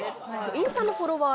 インスタのフォロワー